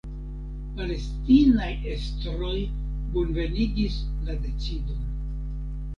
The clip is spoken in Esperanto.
Palestinaj estroj bonvenigis la decidon.